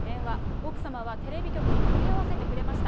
奥様はテレビ局に問い合わせてくれました。